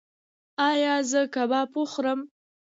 ایا زه کباب وخورم؟